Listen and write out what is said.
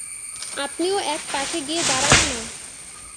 আপনিও এক পাশে গিয়ে দাঁড়ান-না।